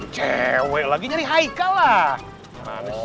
cewek lagi nyari haika lah